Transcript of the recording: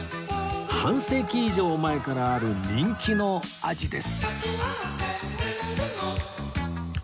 半世紀以上前からある人気の味です